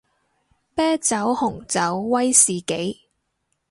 啤酒紅酒威士忌